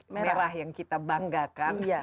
merah yang kita banggakan